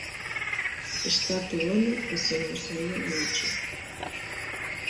Estatu honi ezingo zaio eutsi.